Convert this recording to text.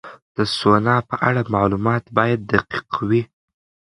د سونا په اړه معلومات باید دقیق وي.